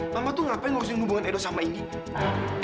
mama itu mengapa harus hubungi edo sama indy